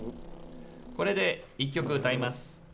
これで一曲、歌います。